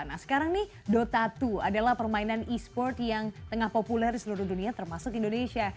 nah sekarang nih dota dua adalah permainan e sport yang tengah populer di seluruh dunia termasuk indonesia